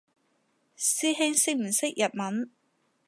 師兄識唔識日文？